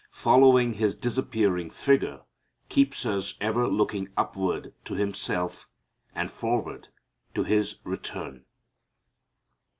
Following His disappearing figure keeps us ever looking upward to Himself and forward to His return.